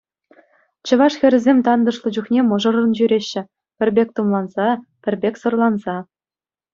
Чӑваш хӗрӗсем тантӑшлӑ чухне мӑшӑррӑн ҫӳреҫҫӗ, пӗр пек тумланса, пӗр пек сӑрланса.